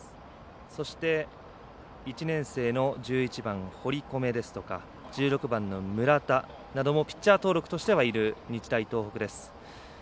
そして、１年生の１１番堀米ですとか１６番の村田などもピッチャー登録としてはいる日大東北です。